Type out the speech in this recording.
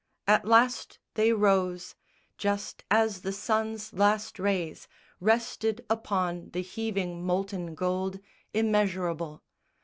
At last they rose, just as the sun's last rays Rested upon the heaving molten gold Immeasurable.